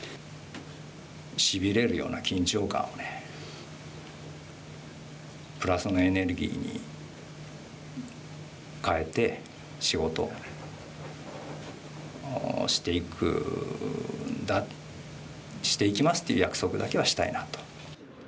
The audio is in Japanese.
しびれるような緊張感をねプラスのエネルギーに変えて仕事をしていきますっていう約束だけはしたいなと。